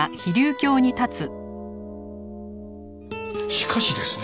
しかしですね。